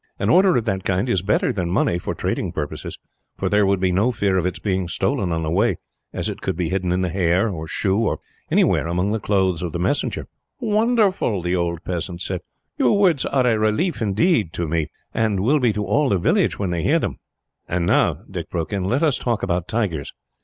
An order of that kind is better than money, for trading purposes, for there would be no fear of its being stolen on the way, as it could be hidden in the hair, or shoe, or anywhere among the clothes of the messenger." "Wonderful!" the old peasant said. "Your words are a relief, indeed, to me, and will be to all the village, when they hear them." "And now," Dick broke in, "let us talk about tigers.